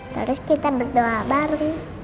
terus kita berdoa bareng